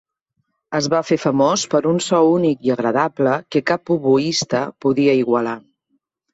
Es va fer famós per un so únic i agradable que cap oboista podia igualar.